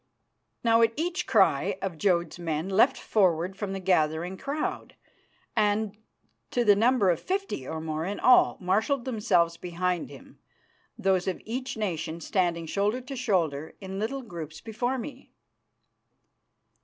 Now at each cry of Jodd's men leapt forward from the gathering crowd, and, to the number of fifty or more in all, marshalled themselves behind him, those of each nation standing shoulder to shoulder in little groups before me.